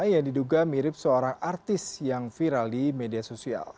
yang diduga mirip seorang artis yang viral di media sosial